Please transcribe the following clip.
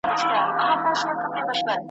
او حتی ماشومان یې هم ورسره بېولي ول ,